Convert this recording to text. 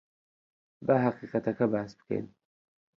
با ھەقیقەتەکە باس بکەین.